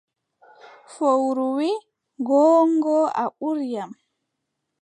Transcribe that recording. Fowru wii, goongo, a ɓuri am.